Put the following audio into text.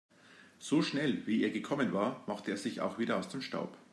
So schnell, wie er gekommen war, machte er sich auch wieder aus dem Staub.